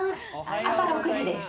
朝６時です。